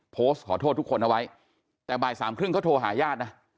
โพสต์ขอโทษทุกคนเอาไว้แต่บ่ายสามครึ่งเขาโทรหาญาตินะ